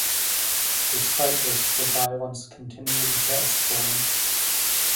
Despite this, the violence continued to escalate.